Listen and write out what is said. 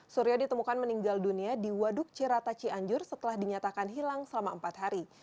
suryo ditemukan meninggal dunia di waduk cirata cianjur setelah dinyatakan hilang selama empat hari